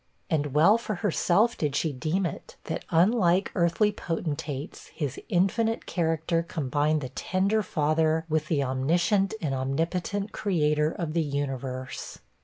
And well for herself did she deem it, that, unlike earthly potentates, his infinite character combined the tender father with the omniscient and omnipotent Creator of the universe.